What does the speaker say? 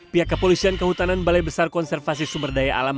pihak kepolisian kehutanan balai besar konservasi sumberdaya alam